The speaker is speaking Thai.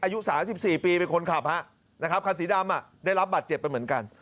อายุ๓๔ปีเป็นคนขับฮะนะครับคันสีดำได้รับบัตรเจ็บไปเหมือนกัน